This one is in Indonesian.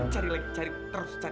cari lagi cari terus